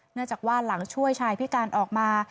เนื่องจากว่าหลังช่วยชายพิการออกมา